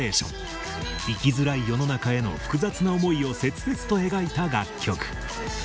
生きづらい世の中への複雑な思いを切々と描いた楽曲。